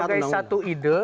sebagai satu ide